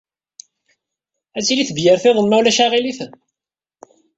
Ad tili tebyirt-iḍen ma ulac aɣilif?